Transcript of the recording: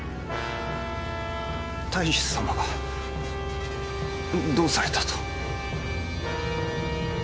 太守様がどうされたと？